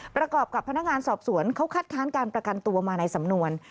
ประกอบกับพนักงานสอบสวนเขาคัดค้านการประกันตัวมาในสำนวน